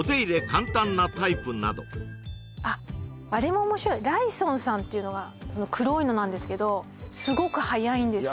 簡単なタイプなどあっあれも面白いライソンさんっていうのがその黒いのなんですけどすごくはやいんですよ